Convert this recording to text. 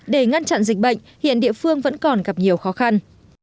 để ngăn chặn dịch bệnh hiện địa phương vẫn còn gặp nhiều khó khăn